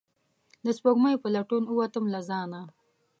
د سپوږمۍ په لټون ووتم له ځانه